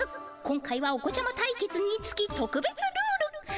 今回はお子ちゃま対決につきとくべつルール。